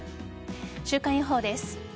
週間予報です。